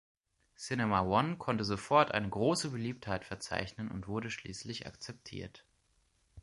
Cinema One konnte sofort eine große Beliebtheit verzeichnen und wurde schließlich akzeptiert.